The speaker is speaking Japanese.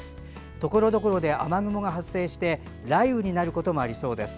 ところどころで雨雲が発生し雷雨になるところもありそうです。